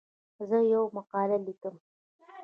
زه یوه مقاله لیکم.